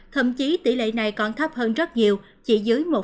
thậm chí tỷ lệ này còn thấp hơn rất nhiều chỉ dưới một